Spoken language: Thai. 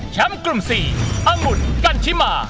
แชมป์กลุ่ม๔อังุธกันชิมา